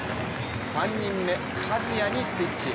３人目、加治屋にスイッチ。